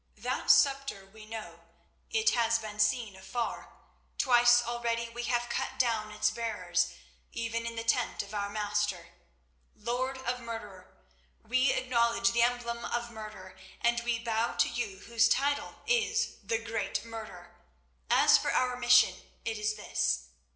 "That sceptre we know; it has been seen afar. Twice already we have cut down its bearers even in the tent of our master. Lord of Murder, we acknowledge the emblem of murder, and we bow to you whose title is the Great Murderer. As for our mission, it is this.